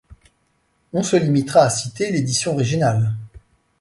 On se limitera à citer l'édition originale.